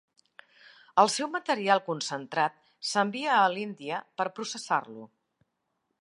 El seu material concentrat s'envia a l'Índia per processar-lo.